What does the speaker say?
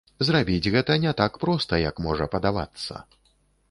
Зрабіць гэта не так проста, як можа падавацца.